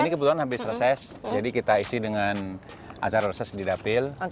ini kebetulan habis reses jadi kita isi dengan acara reses di dapil